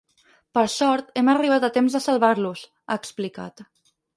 Per sort, hem arribat a temps de salvar-los, ha explicat.